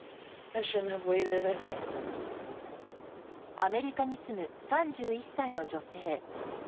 アメリカに住む３１歳の女性。